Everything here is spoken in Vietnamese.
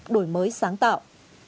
đổi mới sáng tạo